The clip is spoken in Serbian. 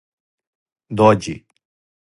Дођи